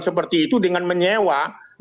seperti itu dengan menyewa